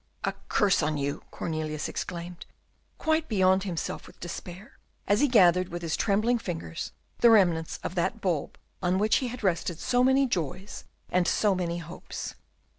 "A curse on you!" Cornelius exclaimed, quite beyond himself with despair, as he gathered, with his trembling fingers, the remnants of that bulb on which he had rested so many joys and so many hopes.